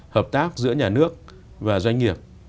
hợp tác giữa nhà nước và doanh nghiệp